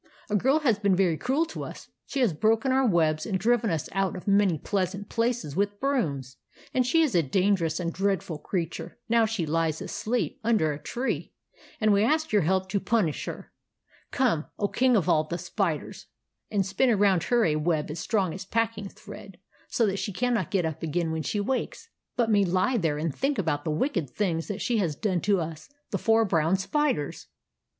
A girl has been very cruel to us. She has broken our webs, and driven us out of many pleasant places with brooms ; and she is a dangerous and dreadful creature. Now she lies asleep GREY RAT UNDER THE PUMP 107 under a tree, and we ask your help to pun ish her. Come, O King of all the Spiders, and spin around her a web as strong as pack ing thread, so that she cannot get up again when she wakes, but may lie there and think about the wicked things that she has done to us, the four brown spiders!